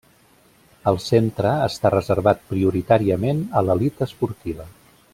El Centre està reservat prioritàriament a l'elit esportiva.